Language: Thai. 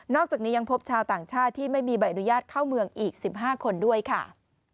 จากนี้ยังพบชาวต่างชาติที่ไม่มีใบอนุญาตเข้าเมืองอีก๑๕คนด้วยค่ะ